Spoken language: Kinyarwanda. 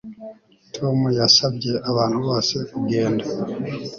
Tom yasabye abantu bose kugenda